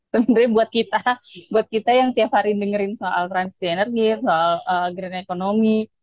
sebenarnya buat kita buat kita yang tiap hari dengerin soal transisi energi soal grand economy